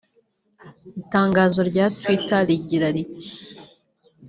Itangazo rya Twitter rigira riti